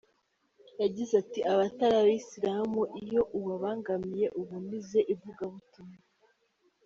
Yagize ati “Abatari abayisilamu iyo ubabangamiye uba unize ivugabutumwa.